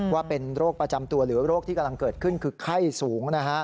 ว่าเป็นโรคประจำตัวหรือโรคที่กำลังเกิดขึ้นคือไข้สูง